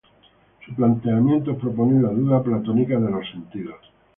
Sus planteamientos proponen la duda platónica de los sentidos.